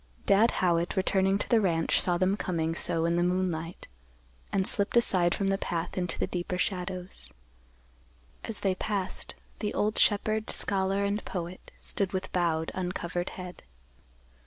Dad Howitt, returning to the ranch, saw them coming so in the moonlight, and slipped aside from the path into the deeper shadows. As they passed, the old shepherd, scholar and poet stood with bowed, uncovered head.